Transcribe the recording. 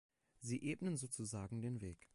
Sie ebnen sozusagen den Weg.